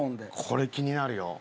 これ気になるよ。